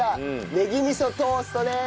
ねぎ味噌トーストです。